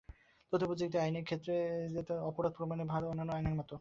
তথ্যপ্রযুক্তি আইনের ক্ষেত্রে অপরাধ প্রমাণের ভারও অন্যান্য আইনের মতো অভিযোগকারীর ওপর বর্তাবে।